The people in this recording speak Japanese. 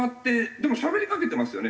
でもしゃべりかけてますよね。